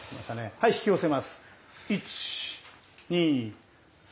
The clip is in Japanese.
はい引き寄せます１２３！